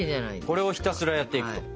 これをひたすらやっていくと。